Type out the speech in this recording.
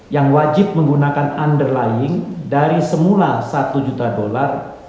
yang wajib menggunakan underlying dari semula satu juta dolar